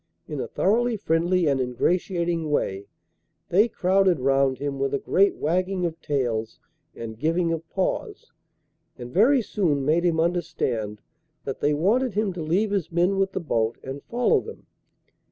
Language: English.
in a thoroughly friendly and ingratiating way, they crowded round him with a great wagging of tails and giving of paws, and very soon made him understand that they wanted him to leave his men with the boat and follow them.